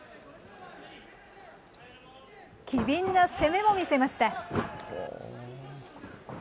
機敏な攻めも見せました。